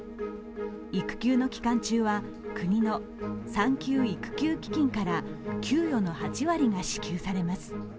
育休の期間中は国の産休・育休基金から給与の８割が支給されます。